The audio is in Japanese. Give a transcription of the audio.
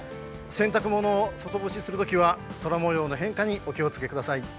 洗濯物を外干しするときは空もようの変化にお気をつけください。